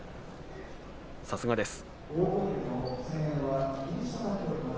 さすがです。